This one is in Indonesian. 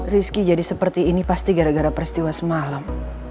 rizky jadi seperti ini pasti gara gara peristiwa semalam